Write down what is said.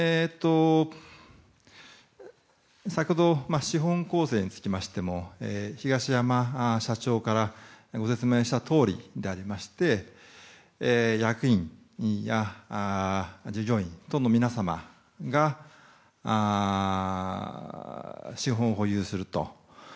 先ほど資本構成につきましても東山社長からご説明したとおりでありまして役員や従業員等の皆様が資本を保有すると。